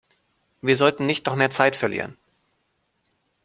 Wir sollten nicht noch mehr Zeit verlieren.